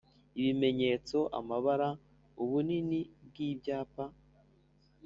Ibimenyetso amabara n’ubunini bw’ibyapa